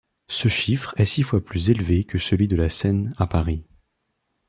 Ce chiffre est six fois plus élevé que celui de la Seine à Paris.